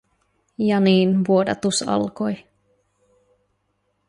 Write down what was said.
Ja niin vuodatus alkoi.